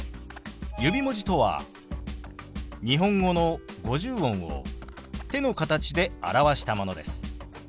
指文字とは日本語の五十音を手の形で表したものです。